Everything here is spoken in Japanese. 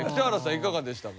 いかがでしたか？